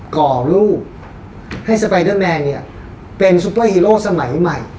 ก่อรูปให้สไปเดอร์แมนเป็นซูเปอร์ฮีโร่สมัยใหม่